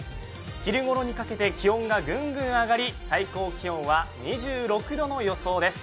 昼ごろにかけて気温がぐんぐん上がり、最高気温は２６度の予想です。